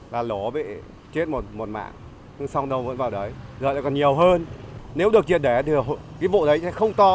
giờ lại còn nhiều hơn nếu được triệt đẻ thì vụ đấy sẽ không to